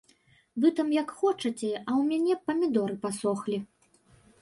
Вы там як хочаце, а ў мяне памідоры пасохлі.